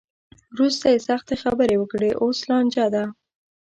وروسته یې سختې خبرې وکړې؛ اوس لانجه ده.